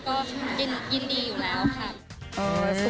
ก็ยินดีอยู่แล้วค่ะ